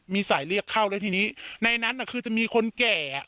มีสายเรียกเข้าแล้วทีนี้ในนั้นคือจะมีคนแก่